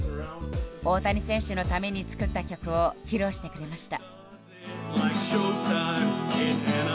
大谷選手のために作った曲を披露してくれました。